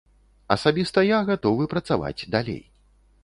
Асабіста я гатовы працаваць далей.